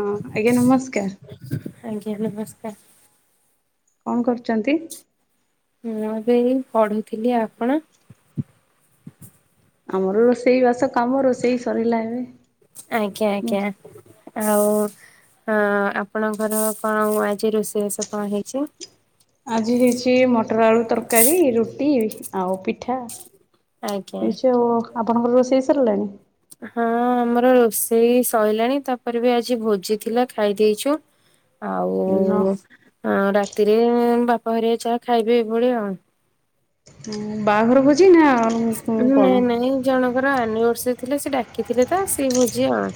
ହଁ ଆଜ୍ଞା ନମସ୍କାର୍। ଆଜ୍ଞା ନମସ୍କାର୍। କଣ କରୁଚନ୍ତି। ମୁଁ ଏବେ ଏଇ ପଢୁଥିଲି ଆପଣ। ଆମର ରୋଷେଇ ବାସ କାମ ରୋଷେଇ ସରିଲା ଏବେ। ଆଜ୍ଞା ହୁଁ। ଆଜ୍ଞା। ଆଉ ଅଁ ଆପଣଙ୍କର କଣ ଆଜି ରୋଷେଇବାସ କଣ ହେଇଚି। ଆଜି ହେଇଚି ମଟର୍ ଆଳୁ ତର୍କାରୀ ରୁଟି ଆଉ ପିଠା। ଆଜ୍ଞା ମିଶୋ ଆପଣଙ୍କର ରୋଷେଇ ସରିଲାଣି। ହଁ ଆମର ରୋଷେଇ ସଇଲାଣି ତାପରେ ବି ଆଜି ଭୋଜି ଥିଲା ଖାଇଦେଇଛୁ। ଆଉ ନା। ଆଁ ରାତିରେ ବାପା ହରିଆ ଚାହା ଖାଇବେ ଏଭଳି ଆଉ। ହୁଁ ବାହାଘର ଭୋଜ୍ ନାଇଁ ନାଇଁ ଜଣଙ୍କର ଆନିଭର୍ସରୀ ଥିଲେ ସେ ଡାକିଥିଲେ ତ ସେ ଭୋଜି ଆଉ।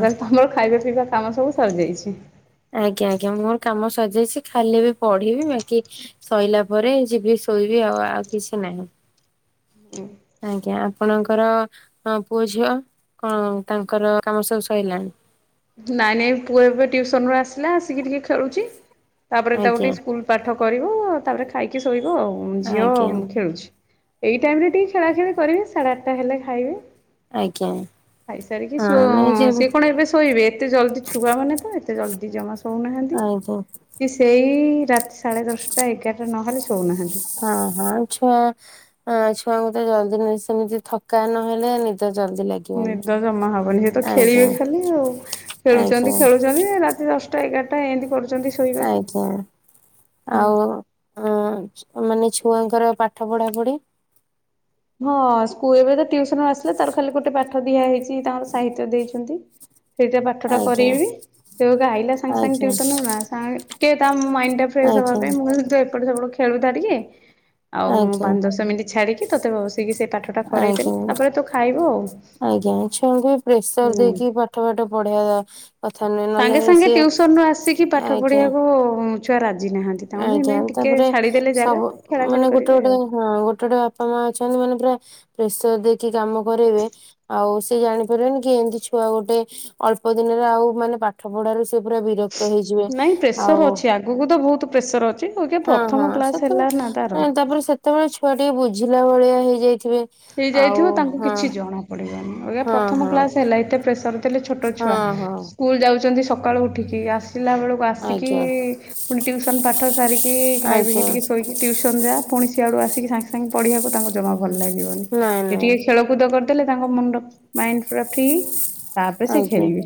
ଓହୋ ତମର ଖାଇବା ପିଇବା କାମ ସବୁ ସରିଯାଇଛି। ଆଜ୍ଞା ଆଜ୍ଞା ମୋର କାମ ସରିଯାଇଛି ଖାଲି ଏବେ ପଢିବି ବାକି ସଇଲା ପରେ ଯିବି ଶୋଇବି ଆଉ ଆଉ କିଛି ନାହିଁ। ଆଜ୍ଞା ଆପଣଙ୍କର ଅଁ ପୁଅ ଝିଅ କଣ ତାଙ୍କର କାମ ସବୁ ସଇଲାଣି। ନାଇଁ ନାଇଁ ପୁଅ ଏବେ ଟିଉସନ୍ ରୁ ଆସିଲା ଆସିକି ଟିକେ ଖେଳୁଛି ତାପରେ ତାକୁ ଆଜ୍ଞା ଟିକେ ସ୍କୁଲ ପାଠ କରିବ ତାପରେ ଖାଇକି ଶୋଇବ ଆଉ ଝିଅ ଆଜ୍ଞା ଖେଳୁଛି। ଏଇ ଟାଇମ୍ ରେ ଟିକେ ଖେଳା ଖେଳି କରିବେ ସାଢେ ଆଠଟା ହେଲେ ଖାଇବେ। ଆଜ୍ଞା ଖାଇସାରିକି ଶୋ ହଁ ନାଇଁ ଯେ ସିଏ କଣ ଏବେ ଶୋ ଶୋଇବେ ଏତେ ଜଲଦି ଛୁଆ ମାନେ ତ ଏତେ ଜଲଦି ଜମା ଶୋଉନାହାନ୍ତି। ଆଜ୍ଞା କି ସେଇ ରାତି ସାଢ଼େ ଦଶଟା ଏଗାରଟା ନହେଲେ ଶୋଉନାହାନ୍ତି। ହଁ ହଁ ଛୁଆଁ ହଁ ଛୁଆଙ୍କୁ ତ ଜଲଦି ନ ସେମିତି ଥକା ନହେଲେ ନିଦ ଜଲଦି ଲାଗେ ନିଦ ଜମା ହବନି ସେ ତ ଖେଳିବେ ଖାଲି ଆଉ ଆଜ୍ଞା ଖେଳୁଛନ୍ତି ଖେଳୁଛନ୍ତି ରାତି ଦଶ ଦଶଟା ଏଇଗାରଟା ଏମିତି କରୁଛନ୍ତି। ଶୋଇବାକୁ। ଆଜ୍ଞା ଆଉ ଅଁ ମାନେ ଛୁଆଙ୍କର ପାଠ ପଢା ପଢି ହଁ ସ୍କୁଲ ଏବେ ତ ଟିଉସନ୍ ରୁ ଆସିଲା ତାର ଖାଲି ଗୋଟେ ପାଠ ଦିଆ ହେଇଛି ତାଙ୍କର ସାହିତ୍ୟ ଦେଇଛନ୍ତି। ସେଇଟା ପାଠଟା ଆଜ୍ଞା କରେଇବି। ସେ ଏବେ ଆଇଲା ସାଙ୍ଗେ ସାଙ୍ଗେ ଆଜ୍ଞା ଟିଉସନ୍ ରୁ ନା ସା ଟିକେ ତା ମାଇଣ୍ଡ ଟା ଫ୍ରେସ୍ ହବା ଆଜ୍ଞା ପାଇଁ ମୁଁ କହିଲି ତୁ ଏପଟସେପଟ ଖେ ଖେଳୁଥା ଟିକେ ଆଉ ଆଜ୍ଞା ପାଞ୍ଚ ଦଶ ମିନିଟ୍ ଛାଡିକି ତତେ ବସିକି ସେଇ ପାଠ ଟା କରେଇଦେଲେ ଆଜ୍ଞା ତାପରେ ତୁ ଖାଇବୁ ଆଉ-ହୁଁ। ଆଜ୍ଞା ଛୁଆଙ୍କୁ ପ୍ରେସର ଦେଇକି ପାଠ ପାଠ ପଢିବା କଥା ନୁହେଁ ନହେଲେ ହେଇ ସିଏ ଆଜ୍ଞା। ହୁଁ ଛୁଆଁ ରାଜି। ନାହାନ୍ତି ତାଙ୍କୁ ଆଜ୍ଞା ଏମିତି ଟିକେ ତାପରେ ଛାଡ଼ିଦେଲେ ଜାଗା ସବୁ ଖେଳା ଖେଳି ମାନେ ଗୋଟେ କରିବେ ଗୋଟେ ଆଉ। ହଁ ଗୋଟେ ଗୋଟେ ବାପା ମା ଅଛନ୍ତି ମାନେ ପୁରା ପ୍ରେସର ଦେଇକି କାମ କରେଇବେ ଆଉ ସେ ଜାଣି ପାରିବେନି କି ଏମତି ଛୁଆ ଗୋଟେ ଅଳ୍ପ ଦିନରେ ଆଉ ମାନେ ପାଠ ପଢାରୁ ସେ ପୁରା ବିରକ୍ତ କ୍ତ ହେଇଯିବେ ଆଉ ବହୁତ ବହୁତ ପ୍ରେସର ଅଛି ଅଇକା ହଁ ହଁ ପ୍ରଥମ କ୍ଲାସ ହେଲା ନା ତାର ସେତେବେଳେ ତାପରେ ସେତେବେଳେ ଛୁଆ ଟିକେ ବୁଝିଲା ଭଳିଆ ହେଇଯାଇଥିବେ? ଆଉ ହେଇଯାଇଥିବ ତାଙ୍କୁ ହଁ କିଛି ଜଣା ହଁ ପ୍ରଥମ ହଁ କ୍ଲାସ ହେଲା ଏତେ ପ୍ରେସର ଦେଲେ ଛୋଟ ଛୁଆ ହଁ ହଁ ସ୍କୁଲ୍ ଯାଉଛନ୍ତି ସକାଳୁ ଉଠିକି ଆସିଲା ବେଳୁ ଆସିକି ଆଜ୍ଞା ପୁଣି ଟ୍ୟୁସନ ପାଠ ସାରିକି ଖାଇ ଆଜ୍ଞା ପିଇଟିକେ ଶୋଇକି ଟ୍ୟୁସନ ଯା ପୁଣିସିଆଡୁ ଆସିକି ସାଙ୍ଗେ ସାଙ୍ଗେ ପଢିବାକୁ ତାଙ୍କୁ ଜମା ଭଲ ଲାଗିବନି ନାଇଁ ନାଇଁ ଟିକେ ଖେଳକୁଦ କରି ତାଲେ ତାଙ୍କ ମୁଣ୍ଡ ମାଇଣ୍ଡ ପୁରା ଫ୍ରି ତାପରେ ସେ ଆଜ୍ଞା ଖେଳିବେ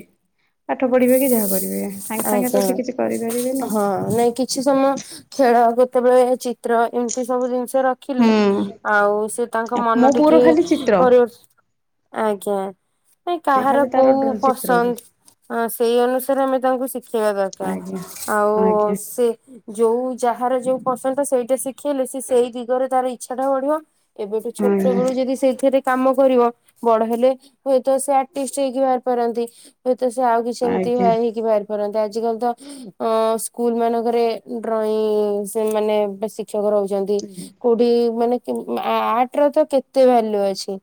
ପାଠ ପଢିବେ କି ଯାହା କରିବେ। ବେ ସାଙ୍ଗେ ସାଙ୍ଗେ ତ ଆଜ୍ଞା ସେ କିଛି କରିପାରିବେନି। ହଁ ନାଇଁ କି କିଛି ସମୟ ଖେଳ କେତେବେଳେ ଚିତ୍ର ଏମିତି ସବୁ ଜିନିଷ। ସେ ରଖିଲେ ହୁଁ ଆଉ ସେ ତାଙ୍କ ମୋ ମନ ପୁଅର ଟିକି ଖାଲି ଚିତ୍ର ପରିବତ୍ରନ ଆଜ୍ଞା ନା ସେ କାହାର ଖାଲି ତାର କୋଉ ଚିତ୍ର ଦେଖେ। ପସନ୍ଦ ଅ ସେଇ ଅନୁସାରେ ଆମେ ତାଙ୍କୁ ଶିଖେଇବା ଦରକାର ଆଜ୍ଞା ଆଉ ଆଜ୍ଞା। ସେ ଯୋଉ ଯାହାର ଯୋଉ ପସନ୍ଦ ସେଇଟା ଶିଖେଇଲେ ସେ ସେଇ ଦିଗରେ ତାର ଇଚ୍ଛାଟା ବଢିବ। ଏବେଠୁ ଛୋଟ ହୁଁ ବେଳୁ ଯଦି ସେଇଥିରେ କାମ କରିବ ବଡ ହେଲେ ହୁଏତ ସେ ଆର୍ଟିଷ୍ଟ ହେଇକି ବାହାରି ପାରନ୍ତି? ହୁଏତ ସେ ଆଉ କିଛି ଏମିତି ଆଜ୍ଞା ହେଇକି ବାହାରି ପାରନ୍ତି ଆଜିକାଲି ତ ଅ ସ୍କୁଲ ମାନଙ୍କରେ ଡ୍ରଇଂ ସେ ମାନେ ଶିକ୍ଷକ ରହୁଛନ୍ତି। କୋଉଠି ମାନେ ଆଟ ର ତ କେତେ ଭାଲ୍ୟୁ ଅଛି?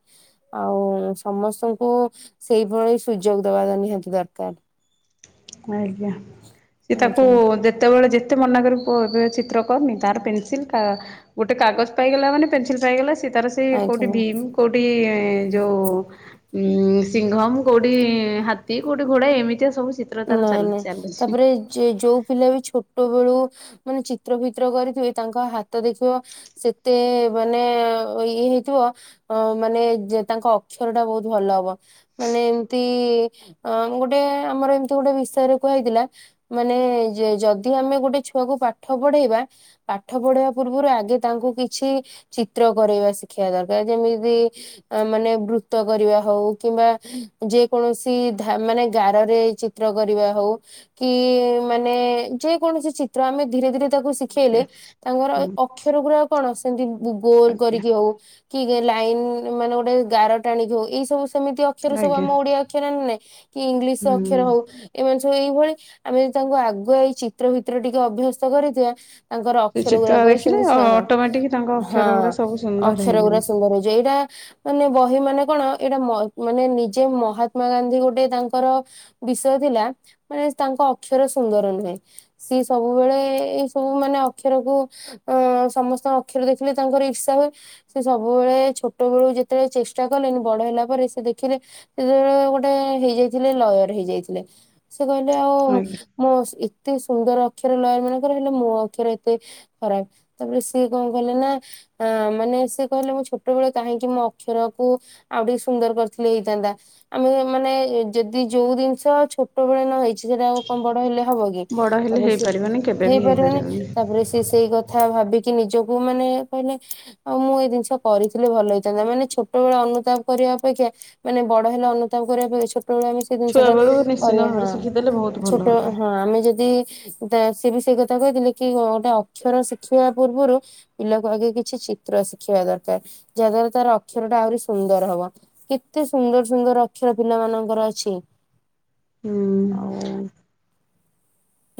ଆଉ ସମସ୍ତଙ୍କୁ ସେଇଭଳି ସୁଯୋଗ ଦବା ନି ନିହାତି ଦରକାର। ଆଜ୍ଞା ସିଏ ତାକୁ ଆଜ୍ଞା ଯେ ତେବେଳେ ଯେତେ ମନା କର ଚିତ୍ର କରନି ତାର ପେନ୍ସିଲ୍ କା ଗୋଟେ କାଗଜ ପାଇଗଲା ମାନେ ପେନସିଲ ପାଇଗଲା ସେ ତାର ସେ ଆଜ୍ଞା। କୋଉଠି ଭୀମ୍ କଉଁଠି ଯଉଁ ଉଁ ସିଂଘମ୍ କୋଉଠି ହାତୀ କୋଉଠି ଘୋଡା ଏମିତିଆ ସବୁ ସି ନାଇଁ ନାଇଁ ତାପରେ ଯେ ଯୋଉ ପିଲା ବିଛୁ ଛୋଟ ବେଳୁ ମାନେ ଚିତ୍ର ଫିତ୍ର କରିଥିବେ ତାଙ୍କ ହାତ ଦେଖିବ ସେତେ ମାନେ ଇଏ ହେଇଥିବ। ଅ ମାନେ ଯେ ତାଙ୍କ ଅକ୍ଷର ଟା ବହୁତ ଭଲ ହବ। ମାନେ ଏମତି ଅ ଗୋଟେ ଆମର ଏମିତି ଗୋଟେ ବିଷୟରେ କୁହାହେଇଥିଲା। ମାନେ ଯଦି ଆମେ ଗୋଟେ ଛୁଆକୁ ପାଠ ପଢେଇବା ପାଠ ପଢେଇବା ପୂର୍ବରୁ ଆଗେ ତାଙ୍କୁ କିଛି ଚିତ୍ର କରେଇବା ସିଖେଇବା ଦରକାର ଯେମିତି ଅ ମାନେ ବୃତ କରିବା ହଉ କିମ୍ବା ଯେ କୌଣସି ଧା ମାନେ ଗାରରେ ଏ ଚି ତ୍ର କରିବା ହଉ କି ମାନେ ଯେ କୌଣସି ଚିତ୍ର ଆମେ ଧୀରେ ଧୀରେ ତାକୁ ଶିଖେଇଲେ ଆଜ୍ଞା ତାଙ୍କର ହୁଁ ଅକ୍ଷର ଗୁଡା କଣ ସେମିତି ଗୋଲ ଆଜ୍ଞା କରିକି ହଉ କି ଲାଇନ୍ ମାନେ ଗୋଟେ ଗାର ଟାଣିିକି ହଉ ଏଇ ସବୁ ସେମିତିଆ ଅକ୍ଷର ସବୁ ଆଜ୍ଞା ଆମ ଓଡିଆ ଅକ୍ଷର ନେଲେ କି ଇଂଲିଶ ଅକ୍ଷର ହୁଁ। ହଉ। ଏମାନେ ସବୁ ଏଇଭଳି। ଆମେ ଯଦି ତାଙ୍କୁ ଆଗୁଆଇ ଚିତ୍ର ଭିତ୍ର ଟିକେ ଅଭ୍ୟସ୍ତ କରିଥିବା ତାଙ୍କର ସେ ଅକ୍ଷର ଚିତ୍ର ଗୁଡାକୁ ବି ଦେଖିଲେ ସେମିତି ଛଅ ଅଟୋମେଟିକ ତାଙ୍କ ହଁ ଅକ୍ଷର ଗୁରା ସବୁ ସୁନ୍ଦର ଅକ୍ଷର ହେଇଯିବ। ଗୁଡା ସୁନ୍ଦର ହେଇଯିବ ଏଇଟା ମାନେ ବହି ମାନେ କଣ ଏଇଟା ମାନେ ନିଜେ ମହାତ୍ମା ଗାନ୍ଧୀ ଗୋଟେ ତାଙ୍କର ବିସ୍ ଶୟ ଥିଲା ମାନେ ତାଙ୍କ ଅକ୍ଷର ସୁନ୍ଦର ନୁହେଁ। ସିଏ ସବୁବେଳେ ଏଇ ସବୁ ମାନେ ଅକ୍ଷର କୁ ଅ ସମସ୍ତଙ୍କ ଅକ୍ଷର ଦେଖିଲେ ତାଙ୍କର ଇର୍ଷା ହୁଏ। ସେ ସବୁବେଳେ ଛୋଟ ବେଳୁ ଯେତେବେଳେ ଚେଷ୍ଟା କଲେନି ବଡ ହେଲା ପରେ ସେ ଦେଖିଲେ ସେତେବେଳେ ଗୋଟେ ହେଇଯାଇଥିଲେ ଲୟର ହେଇ ଯାଇଥିଲେ। ସେ କହିଲେ ଆଉ ଆଜ୍ଞା ମୋ ଏତେ ସୁନ୍ଦର ଅକ୍ଷର ଲୟରମାନଙ୍କର ହେଲେ ମୋ ଅକ୍ଷର ଏତେ ଖରାପ। ତାପରେ ସିଏ କଣ କଲେ ନା ଆ ମାନେ ସେ କହିଲେ ମୁଁ ଛୋଟବେଳେ କାହିଁକି ମୋ ଅକ୍ଷରକୁ ଆଉ ଟିକେ ସୁନ୍ଦର କରିଥିଲେ ହେଇଥାନ୍ତା। ଆମେ ମାନେ ଯଦି ଯୋଉ ଜିନିଷ ସ ଛଟବେଳେ ନ ହେଇଚ ଚି ସେଟା ଆଉ କଣ ବଡ ହେଲେ ଆଉ ହବ କି? ବଡ ହେଲେ ହେଇପାରିବନି କେବେ ବି ହେଇପାରିବନି। ତାପରେ ସେ ସେଇ କ ଥା ଭାବିକି ନିଜକୁ ମାନେ କହିଲେ ଆଉ ମୁଁ ଏଇ ଜିନିଷ କରିଥିଲେ ଭଲ ହେଇଥାନ୍ତା। ମାନେ ଛୋଟବେଳେ ଅନୁତାପ କରିବା ଅପେକ୍ଷା ମାନେ ବଡ ହେଲା ଅନୁତାପ କରିବା ପାଇଁ ଛୋଟବେଳେ ଆମେ ସେ ଛୁଆ ଜିନିଷଟା ବେଳୁ ନିଶ୍ଚିନ୍ତ କରିବା ଭାବରେ ଶିଖିଦେଲେ ବହୁତ ହଁ ଭଲ ଛୋଟ ହବ। ହଁ ଆମେ ଯଦି ଦ ସିଏ ବି ସେଇ କଥା କହିଥିଲେ କି ଗୋଟେ ଅକ୍ଷର ଶିଖିବା ପୂର୍ବରୁ ପିଲାକୁ ଆଗେ କିଛି ଚିତ୍ର ଶିଖିବା ଦରକାର ଯାହା ଦ୍ଵାରା ତାର ଅକ୍ଷର ଟା ଆହୁରି ସୁନ୍ଦର ହବ। କେତେ ସୁନ୍ଦର ସୁନ୍ଦର ଅକ୍ଷର ପିଲା ମାନଙ୍କର ଅଛି। ହୁଁ। ଆଉ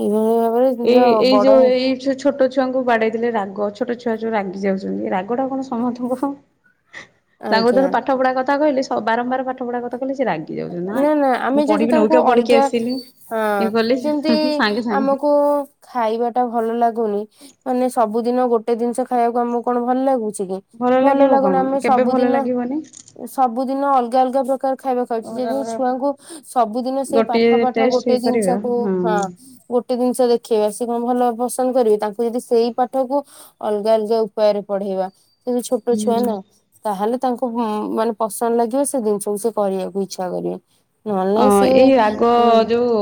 ଏଇଭଳି ଭାବରେ ଏଇ ଏଇ ବଡ ଯୋଉ ଏଇ ଯୋଉ ଛୋଟ ଛୁଆଙ୍କୁ ବାଡେଇଦେଲେ ରାଗ ଛୋଟ ଛୁଆ ଯୋଉ ରାଗି ଯାଉଚନ୍ତି ରାଗଟା କଣ ତମଠୁ ବଡ। ତାଙ୍କୁ ଆଜ୍ଞା। ଧର ପାଠ ପଢା କଥା କହିଲେ ବାରମ୍ବାର ପାଠ ପଢା କଥା ଥା କହିଲେ ସେ ରାଗି ଯାଉଚନ୍ତି, ନାଇଁ ନା ନା ଆମେ ମୁଁ ଯଦି ପଢିବିନି ତାଙ୍କୁ ଅଉତୁଆ ପଢିକି ଅଲଗା ଆସିଲି। ହଁ ଇଏ କଲି ଯେମତି ସାଙ୍ଗେ ସାଙ୍ଗେ ଆମକୁ ଖାଇବା ଟା ଭଲ ଲାଗୁନି। ମାନେ ସବୁଦିନ ଗୋଟେ ଜିନିଷ ଖାଇବାକୁ ଆମକୁ କଣ ଭଲ ଲାଗୁଚି କି? ଭଲ ଲାଗିବ କଣ ଲାଗୁନି। ଆମେ କେବେ ଭଲ ସବୁଦିନ ଲାଗିବନି ସବୁଦିନ ଅଲଗା ଅଲଗା ପ୍ରକାର ଖାଇବା ଖାଉଚେ। ଅଲଗା ଯଦି ଅଲଗା ଛୁଆଙ୍କୁ ସବୁଦିନ ସେଇ ପାଠ ଗୋଟିଏ ପାଠ ଟେଷ୍ଟ ଗୋଟେ କରିବା ଜିନିଷ କୁ ହଁ ଗୋଟେ ଜିନିଷ ଦେଖେଇବା ସେ କଣ ଭଲ ପସନ୍ଦ କରିବେ ତାଙ୍କୁ ଯଦି ସେଇ ପାଠକୁ ଅଲଗା ଅଲଗା ଉପାୟରେ ପଢେଇବା ପୁଣି ଛୋଟ ଛୁଆ ନା ତାହେଲେ ତାଙ୍କୁ ଉଁ ମାନେ ପସନ୍ଦ ଲାଗିବ ସେ ଜିନିଷକୁ ସେ କରିବାକୁ ଇ ଚ୍ଛା କରିବେ। ନହେଲେ ନାଇଁ ଅଁ ସିଏ ଏଇ ଆଗ ଉଁ ଯୋଉ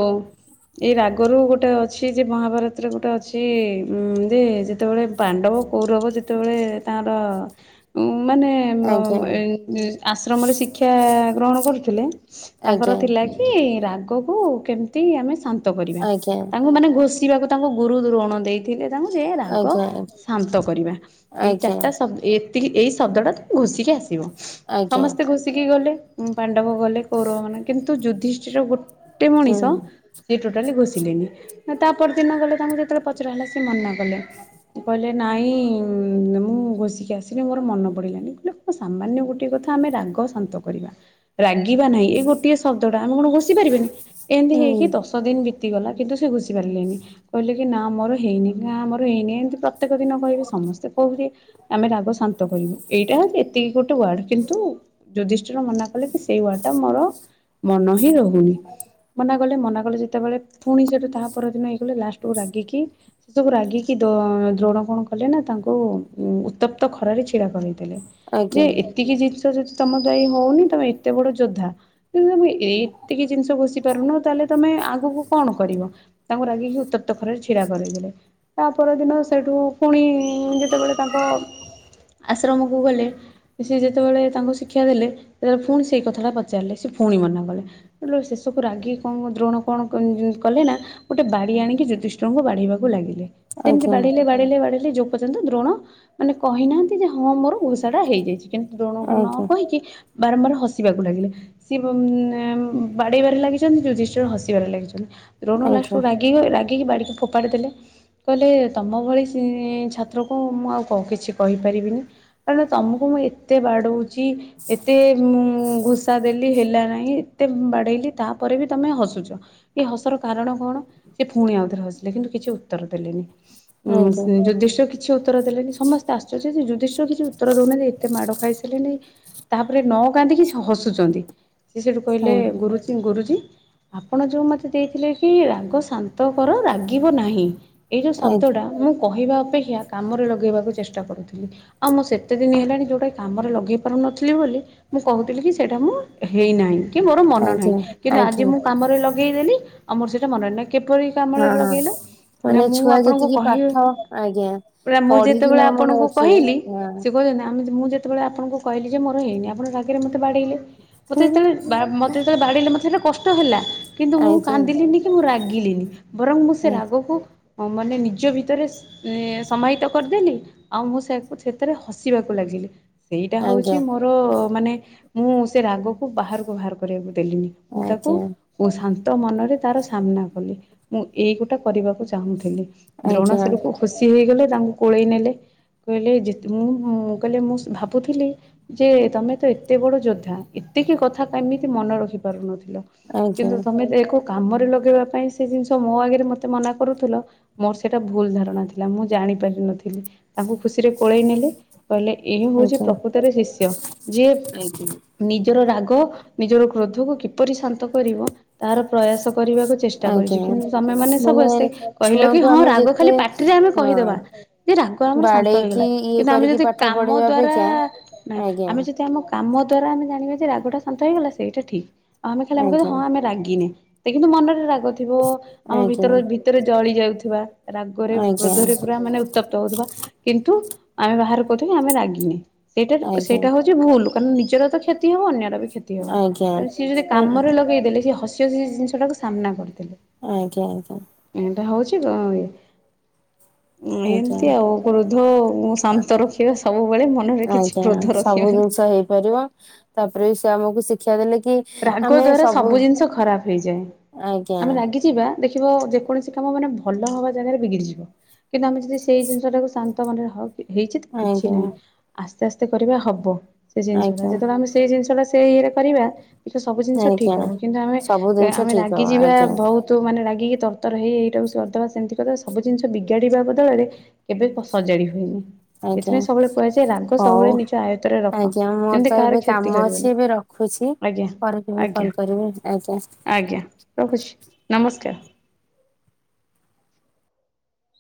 ଏଇ ରାଗରୁ ଗୋଟେ ଅଛି ଯେ ମହାଭାରତରେ ଗୋଟେ ଅଛି ଉଁ ଯେ ଯେତ ଯେତେବେଳେ ପାଣ୍ଡବ କୌରବ ଯେତେବେଳେ ତାଙ୍କର ଉଁ ମାନେ ଉଁ ଆଜ୍ଞା [unintelligible] ଆଶ୍ରମରେ ଶିକ୍ଷା ଗ୍ରହଣ କରୁଥିଲେ ତାଙ୍କର ଆଜ୍ଞା ଥିଲା କି ରାଗକୁ କେମିତି ଆମେ ଶାନ୍ତ କରିବା ଆଜ୍ଞା ତାଙ୍କୁ ମାନେ ଘୋଷିବା କ ତାଙ୍କୁ ଗୁରୁ ଦ୍ରୋଣ ଦେଇଥିଲେ ତାଙ୍କୁ ଯେ ରାଗ ଆଜ୍ଞା ଶାନ୍ତ କରିବା ଏଇ ଆଜ୍ଞା ଚାରିଟା ଶବ୍ଦ ଏତିକି ଏଇ ଶବ୍ଦଟା ତ ଘୋଷିକି ଆସିବ ଆଜ୍ଞା ସମସ୍ତେ ଘୋଷିକି ଗଲେ ଉଁ ପାଣ୍ଡବ ଗଲେ କୌରବ ମାନେ କିନ୍ତୁ ଯୁଧିଷ୍ଠିର ଗୋଟେ ହୁଁ ମଣିଷ ସିଏ ଟୋଟାଲି ଘୋଷିଲେନି ଆ ତାପରଦିନ ଗଲେ ତାଙ୍କୁ ଯେତେବେଳେ ପଚରା ହେଲା ସିଏ ମନା କଲେ କହିଲେ ନାଇଁ ମୁଁ ଘୋଷିକି ଆସିନି ମୋର ମନେ ପଡିଲାନି କହିଲେ ସାମାନ୍ୟ ଗୋଟେ କଥା ଆମେ ରାଗ ଶାନ୍ତ କରିବା ରାଗିବା ନାହିଁ ଏଇ ଗୋ ଶବ୍ଦ ଟା ଆମେ କଣ ଘୋଷି ପାରିବାନି ଏମିତି ହୁଁ ହେଇକି ଦଶ ଦଶ ଦିନ ବିତିଗଲା କିନ୍ତୁ ସେ ଘୁଷି ପାରିଲେନି କହିଲେ କି ନା ମୋର ହେଇନି ନା ଆମର ହେଇନି ଏମିତି ପ୍ର ତ୍ୟେକ ଦିନ କହିବେ ସମସ୍ତେ କହୁଛି ଆମେ ରାଗ ଶାନ୍ତ କରିବୁ ଏଇଟା ହଉଚି ଏତିକି ଗୋଟେ ୱାର୍ଡ କିନ୍ତୁ ଯୁଧିଷ୍ଟିର ମନା କଲେ କି ସେଇ ୱାଡ୍ ଟା ମୋର ମନ ହିଁ ରହୁନି ମନା କଲେ ମନା କଲେ ଯେତେବେଳେ ଫୁଣି ସେଠୁ ତାହା ପରଦିନ ହେଇଗଲେ ଲାଷ୍ଟକୁୁ ରାଗିକି ସେ ସବୁ ରାଗିକି ଦୋ ଦ୍ରୋଣ କଣ କଲେ ନା ତାଙ୍କୁ ଉଁ ଉତ୍ତପ୍ତ ଖରାରେ ଛିଡା କରେଇ ଦେଲେ ଯେ ଆଜ୍ଞା ଏତିକି ଜିନିଷ ଯଦି ତମ ଦ୍ୱାୟି ହଉନି ତମେ ଏତେ ବଡ ଯୋଦ୍ଧା କି ତମେ ଏଇ ଏତିକି ଜିନିଷ ଘୋଷି ପାରୁନ ତାହେଲେ ତମେ ଆଗକୁ କଣ କରିବ? ତାଙ୍କୁ ରାଗିକି ଉତ୍ତପ୍ତ ଖରାରେ ଛିଡା କରେଇଦେଲେ ତା ପରଦିନ ସେଠୁ ପୁଣି ଯେତେବେଳେ ତାଙ୍କ ଆଶ୍ରମକୁ ଗଲେ ସେ ଯେତେବେଳେ ତାଙ୍କୁ ଶିକ୍ଷା ଦେଲେ ସେତେବେଳେ ପୁଣି ସେ କଥାଟା ପଚାରିଲେ। ସେ ପୁଣି ମନା କଲେ ସେତଳେ ଶେଷକୁ ରାଗି କଣ ଦ୍ରୋଣ କଣ [unintelligible] କଲେ ନା ଗୋଟେ ବାଡି ଆଣିକି ଯୁଧିଷ୍ଠିରଙ୍କୁ ବାଡ଼େଇବାକୁ ଲାଗିଲେ ସେମିତି ଆଜ୍ଞା ବାଡ଼େଇଲେ ବା ଡ଼େଇଲେ ବାଡେଇଲେ ଯୋଉ ପର୍ଯ୍ୟନ୍ତ ଦ୍ରୋଣ ମାନେ କହିନାହାନ୍ତି ଯେ ହଁ ମୋର ଘୋଷା ଟା ହେଇଯାଇଛି। କିନ୍ତୁ ଦ୍ରୋଣକୁ ନ ଆଜ୍ଞା କହିକି ବାରମ୍ବାର ହସିବାକୁ ଲାଗିଲେ ସିଏ ଉଁ ଆଁ ବାଡେଇବାରେ ଲାଗିଛନ୍ତି ଯୁଧିଷ୍ଠିର ହସିବାରେ ଲାଗିଛନ୍ତି ଦ୍ରୋଣ ଆଜ୍ଞା ଲାଷ୍ଟୁକୁ ରାଗ ଗିବେ ରାଗିକି ବାଡ଼ିକି ଫୋପାଡ଼ି ଦେଲେ କହିଲେ ତମ ଭଳି [unintelligible] ଛାତ୍ରକୁ ମୁଁ ଆଉ କଣ କିଛି କହିପାରିବିନି କାରଣ ତମକୁ ମୁଁ ଏତେ ବାଡ଼ଉ ଚି ଏତେ ମୁଁ ଘୋଷା ଦେଲି ହେଲା ନା ହି କି ଏତେ ବାଡ଼େଇଲି ତାପରେ ବି ତମେ ହସୁଛ ଏ ହସର କାରଣ କଣ ସେ ଫୁଣି ଆଉଥରେ ହସିଲେ କିନ୍ତୁ କିଛି ଉତ୍ତର ଦେଲେନି। ଉଁ ଆଜ୍ଞା ସେ ଯୁଧିଷ୍ଠିର କି ଛି ଉତ୍ତର ଦେଲେନି ସମସ୍ତେ ଆଶର୍ଯ୍ୟ ଯେ ଯୁଧିଷ୍ଠିର କିଛି ଉତ୍ତର ଦଉ ନାହାଁନ୍ତି ଏତେ ମାଡ ଖାଇସାରିଲେଣି ତାପରେ ନ କାନ୍ଦିକି ସେ ହସୁଛନ୍ତି ସିଏ ସେଠୁ କହିଲେ ହୁଁ ଗୁରୁଜୀ ଗୁରୁଜୀ ଆପଣ ଯୋଉ ମତେ ଦେଇଥିଲେ କି ରାଗ ଶାନ୍ତକର ରାଗିବ ନାହିଁ ଏଇ ଯୋଉ ଶବ୍ଦ ଆଜ୍ଞା ଟା ମୁଁ କହିବା ଅପେକ୍ଷା କାମରେ ଲଗେଇବାକୁ ଚେଷ୍ଟା କରୁଥିଲି ଆଉ ମୁଁ ସେତେ ଦିନି ହେଲାଣି ଯୋଉଟା କାମରେ ଲଗେଇ ପାରୁନଥିଲି ବୋଲି ମୁଁ କହୁଥିଲି କି ଏଇଟା ମୁଁ ହେଇ ନାଇଁ କି ମୋର ମନ ଆଜ୍ଞା ନାହିଁ କିନ୍ତୁ ଆଜି ଆଜ୍ଞା ମୁଁ କାମରେ ଲଗ୍ ଗେଇଦେଲି ଆଉ ମୋର ସେଇଟା ମନେ ନାହିଁ କିପରି କାମରେ ହଁ ହଁ ଲଗେଇଲୁ ନା ମାନେ ମୁଁ ଛୁଆ ଆପଣଙ୍କୁ ଯେତିକି କହିବିି ପାଠ ଆଜ୍ଞା ପୁରା ମୁଁ ପଢିକି ଯେତେବେଳେ ନ ମନେ ଆପଣଙ୍କୁ ରଖିବେ କହିଲି ହଁ ସେ କହୁଛନ୍ତି ଆମେ ଯେ ମୁଁ ଯେ ଯେତେବେଳେ ଆପଣଙ୍କୁ କହିଲି ଯେ ମୋର ହେଇନି ଆପଣ ରାଗରେ ମୋତେ ବାଡ଼େଇଲେ ମୋତେ ହୁଁ ହୁଁ ଯେତେଳେେ ବା ମୋତ ଯେତେବେଳେ ବାଡେଇଲେ ମତେ ସେଟା କଷ୍ଟ ହେଲା କିନ୍ତୁ ମୁଁ ଆଜ୍ଞା କାନ୍ଦିଲିନି କି ମୁଁ ରାଗିଲିନି ବରଂ ମୁଁ ସେ ରାଗକୁ ହଁ ମାନେ ନିଜ ଭିତରେ ସ୍ ଏ ସମାହିତ କରିଦେଲି ଆଉ ମୁଁ ସେକୁ ସେଥିରେ ହସିବାକୁ ଲାଗିଲି। ସେଇଟା ହଉଛି ଆଜ୍ଞା ମୋର ମାନେ ମୁଁ ସେ ରାଗକୁ ବାହାରକୁ ବାହାର କରିବାକୁ ଦେଲିନି। ମୁଁ ତାକୁ ଆଜ୍ଞା ଓ ଶାନ୍ତ ମନରେ ତାର ସାମ୍ନା କଲି। ମୁଁ ଏଇଗୋଟା କରିବାକୁ ଚା ଚାହୁଁଥିଲି, ଆଜ୍ଞା ଦ୍ରୋଣଶେରକୁ ଖୁସି ହେଇଗଲେ ତାଙ୍କୁ କୋଳେଇ ନେଲେ। କହିଲେ ଯେତ୍ ମୁଁଁ ଉଁ, କହିଲେ ମୁଁ ସ-ଭାବୁଥିଲି ଯେ ତୋମେ ତ ଏ ତେ ବଡ ଯୋଦ୍ଧା ଏତିକି କଥା କେମିତି ମନେ ରଖି ପାରୁନଥିଲ। ଆଜ୍ଞା କିନ୍ତୁ ତୋମେ ଦେ ଏକୁ କାମରେ ଲଗେଇବା ପାଇଁ ସେ ଜିନିଷ ମୋ ଆଗରେ ମୋତେ ମନା କରୁଥିଲ। ମୋର ସେଇଟା ଭୁଲ ଧାରଣା ଥିଲା, ମୁଁ ଜାଣି ପାରିନଥିଲି। ତାଙ୍କୁ ଖୁସିରେ କୋଳେଇ ନେଲେ। କହିଲେ ଏହି ହଉଛି ପ୍ରକୃତରେ ଶିଷ୍ୟ। ଯିଏ ଆଜ୍ଞା ନିଜର ରାଗ ନିଜର କ୍ରୋଧକୁ କିପରି ଶାନ୍ତ କରିବ ତାର ପ୍ରୟାସ କରିବାକୁ ଚେଷ୍ଟା କରିଛି। ଆଜ୍ଞା କିନ୍ତୁ ତୋମେ ମାନେ ସବୁ ଆସି କହିଲ କି ଛୁଆଙ୍କୁ ହଁ ଆମେ ରାଗ ଯେତେ ଖାଲି ପା ଟ୍ରିଏ ଆମେ ହଁ କହିଦେବା ଯେ ରାଗ ଆମର ଶାନ୍ତ ବାଡେଇକି ହେଇଗଲା। ଇଏ କିନ୍ତୁ ଆମେ କରିକି ଯଦି ପାଠ କାମ ପଢେଇବା ଦ୍ଵାରା ଅପେକ୍ଷା ନା ଆଜ୍ଞା ଆମେ ଯଦି ଆମ କାମ ଦ୍ଵାରା ଆମେ ଜାଣିବା ଯେ ରାଗ ଟା ଶାନ୍ତ ହେଇଗଲା ସେଇଟା ଠିକ। ଆମେ ଖାଲି ଆମେ କହିବା ଆଜ୍ଞା ହଁ ଆମେ ରାଗିନେ। ତ କିନ୍ତୁ ମନରେ ରାଗ ଥିବ ଆମ ଆଜ୍ଞା ଭିତର ଭି ତରେ ଜଳି ଯାଉଥିବା ରାଗରେ ଆଜ୍ଞା କ୍ରୋଧରେ ପୁରା ମାନେ ଉତ୍ତପ୍ ତ ହଉଥୁବା। କିନ୍ତୁ ଆମେ ବାହାରେ କହୁଥୁବା ଆମେ ରାଗିନେ ସେଇଟା ଆଜ୍ଞା ଆଜ୍ଞା ସେଇଟା ହଉଛି ଭୁଲୁ। କାରଣ ନିଜର ତ କ୍ଷତି ହବ ଅନ୍ୟର ବି କ୍ଷତି ହବ। ଆଜ୍ଞା ତଣୁ ସିଏ ଯଦି କାମରେ ଲଗେଇଦେଲେ ସିଏ ହସି ହସି ସେ ଜିନିଷ ସେଟାକୁ ସାମ୍ନା କରିଦେଲେ। ଆଜ୍ଞା, ଆଜ୍ଞା। ଏଇଟା ହଉଛି ଗଁ, ଇଏ ଆଜ୍ଞା ଏମିତି ଆଉ କ୍ରୋଧ ଶାନ୍ତ ରଖିବା ସବୁବେଳେ ମନରେ କିଛି [unintelligible] କ୍ରୋଧ ସବୁ ରଖିବାନି। ଜିନିଷ ହେଇପାରିବ ତାପରେ ସେ ଆମକୁ ଶିକ୍ଷା ଦେଲେ କି ରାଗ ଦ୍ଵାରା ସବୁ ଜିନିଷ ଖରାପ ହେଇଯାଏ। ଆଜ୍ଞା ଆମେ ରାଗି ଯିବା ଦେଖିବ ଯେକୌଣସି କାମ ମାନେ ଭଲ ହବା ଜାଗାରେ ବିଗିଡ଼ି ଯିବ। କିନ୍ତୁ ଆମେ ଯଦି ସେଇ ଜିନିଷଟାକୁ ଶାନ୍ତ ମନରେ ହଉ କି ହେଇଚି ତ କିଛି ଆଜ୍ଞା ନାହିଁ, ଆସ୍ତେ ଆସ୍ତେ କରିବା ହବ, ସେ ଜିନିଷଟା ଆଜ୍ଞା ଯେତେବେଳେ ଆମେ ସେଇ ଜିନିଷ ଟା ସେ ଇଏରେ କରିବା ସେ ସବୁ ଜିନିଷ ଆଜ୍ଞା। ଠିକ ହବ। କିନ୍ତୁ ଆମେ ସବୁ ଏ ଜିନିଷ ଆମେ ଠିକ ହବ ରାଗିଯିବା ଆଜ୍ଞା ବହୁ ତୁ ମାନେ ରାଗିକି ତରତର ହେଇ ଏଇଟାକୁ ସର ଦବା ସେମିତି କରିବା ସବୁ ଜିନିଷ ବିଗାଡ଼ିବା ବଦଳରେ କେବେ କ-ସଜାଡି ହୁଏନି। ଆଜ୍ଞା ଏଥିପାଇଁ ସବୁବେଳେ କୁହାଯାଏ ରାଗ ହଉ ସବୁବେଳେ ନିଜ ଆୟତରେ ରଖ। ଯେମିତି କାହାର କ୍ଷତି କରିବନି। ଖୁସି ଆଜ୍ଞା, ଆଜ୍ଞା, ଆଜ୍ଞା, ରଖୁଛି ନମସ୍କାର।